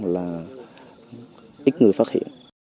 là ít người phát hiện